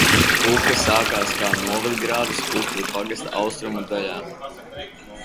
Upe sākas kā novadgrāvis Ukru pagasta austrumu daļā.